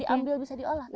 bisa diambil bisa diolah kan